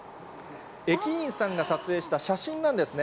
駅員さんが撮影した写真なんですね。